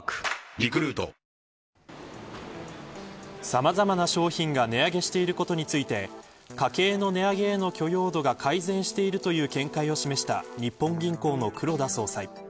さまざまな商品が値上げしていることについて家計の値上げへの許容度が改善しているという見解を示した日本銀行の黒田総裁。